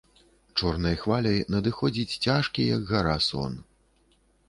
Чорнай хваляй надыходзіць цяжкі, як гара, сон.